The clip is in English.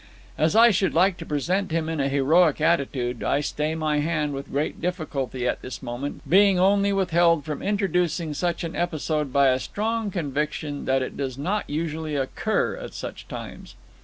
As I should like to present him in a heroic attitude, I stay my hand with great difficulty at this moment, being only withheld from introducing such an episode by a strong conviction that it does not usually occur at such times.